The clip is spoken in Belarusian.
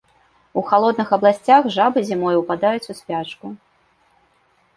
У халодных абласцях жабы зімой ўпадаюць у спячку.